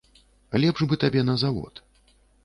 Лепш бы табе на завод.